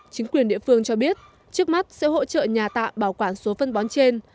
chính quyền địa phương cho biết trước mắt sẽ hỗ trợ nhà tạo bảo quản số phân bón trên